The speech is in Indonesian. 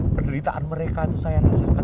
penderitaan mereka itu saya rasakan